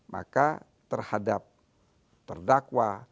maka terhadap perdakwa